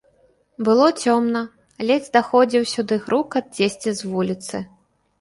Было цёмна, ледзь даходзіў сюды грукат дзесьці з вуліцы.